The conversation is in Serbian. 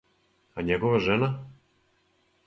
А његова жена?